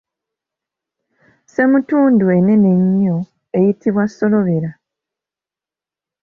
Ssemutundu ennene ennyo eyitibwa Solobera.